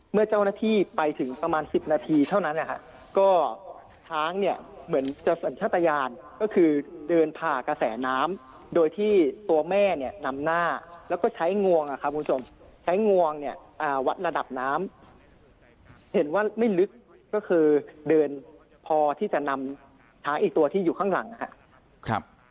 เมื่อเจ้าหน้าที่ไปถึงประมาณ๑๐นาทีเท่านั้นนะฮะก็ช้างเนี่ยเหมือนจะสัญชาติยานก็คือเดินผ่ากระแสน้ำโดยที่ตัวแม่เนี่ยนำหน้าแล้วก็ใช้งวงนะครับคุณผู้ชมใช้งวงเนี่ยวัดระดับน้ำเห็นว่าไม่ลึกก็คือเดินพอที่จะนำช้างอีกตัวที่อยู่ข้างหลังนะครับ